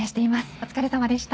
お疲れさまでした。